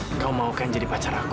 engkau mau kan jadi pacar aku